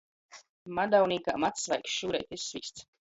Madaunīkā mads svaigs, šūreit izsvīsts.